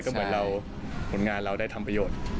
ก็เหมือนเราผลงานเราได้ทำประโยชน์